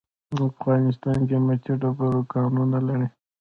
افغانستان قیمتي ډبرو کانونه لري.